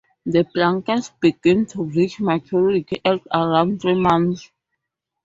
The blanket begins to reach maturity at around three months.